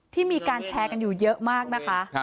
ที่มีการแชร์กันอยู่เยอะมากนะคะ